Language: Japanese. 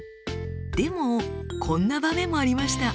でもこんな場面もありました。